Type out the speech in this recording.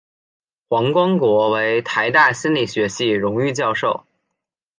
黄光国为台大心理学系荣誉教授。